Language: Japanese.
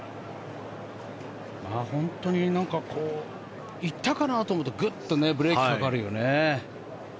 本当に行ったかなと思うとグッとブレーキがかかるよね。